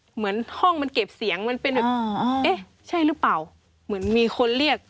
เหมือนห้องมันเก็บเสียงมันเป็นแบบเอ๊ะใช่หรือเปล่าเหมือนมีคนเรียก